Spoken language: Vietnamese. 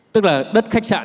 tức là đất khách sạn